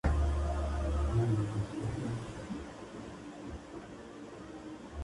Su madre volvió a casarse.